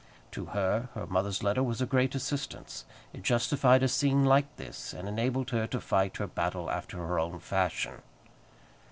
To her, her mother's letter was a great assistance. It justified a scene like this, and enabled her to fight her battle after her own fashion.